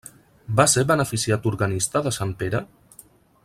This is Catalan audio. Va ser beneficiat organista de Sant Pere?